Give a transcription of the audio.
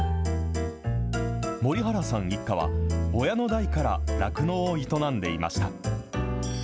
森原さん一家は親の代から酪農を営んでいました。